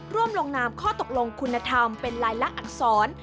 ร่วมลงนามข้อตกลงคุณธรรมเป็นลายละอักษร